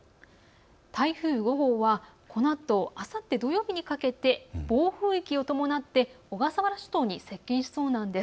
台風５号はあさって土曜日にかけて暴風域を伴って小笠原諸島に接近しそうなんです。